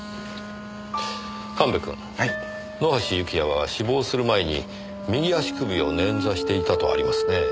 神戸くん野橋幸也は死亡する前に右足首を捻挫していたとありますね。